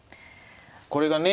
これがね